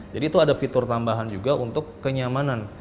jadi itu ada fitur tambahan juga untuk kenyamanan